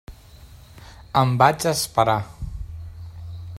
Em vaig esperar.